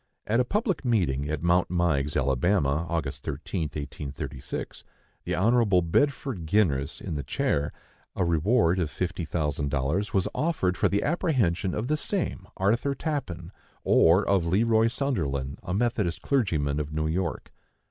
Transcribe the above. At a public meeting at Mount Meigs, Alabama, Aug. 13, 1836, the Hon. Bedford Ginress in the chair, a reward of fifty thousand dollars was offered for the apprehension of the same Arthur Tappan, or of Le Roy Sunderland, a Methodist clergyman of New York.